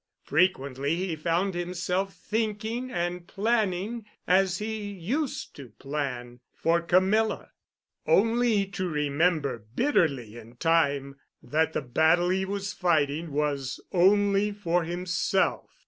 Frequently he found himself thinking and planning, as he used to plan, for Camilla; only to remember bitterly in time that the battle he was fighting was only for himself.